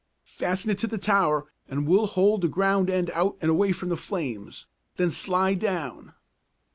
Fasten it to the tower and we'll hold the ground end out and away from the flames. Then slide down."